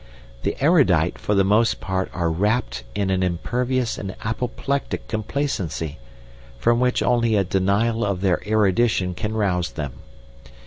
The erudite for the most part are rapt in an impervious and apoplectic complacency, from which only a denial of their erudition can rouse them.